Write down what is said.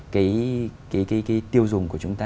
cái tiêu dùng của chúng ta